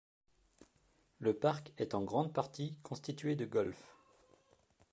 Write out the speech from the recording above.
Le parc est en grande partie constitué de golf.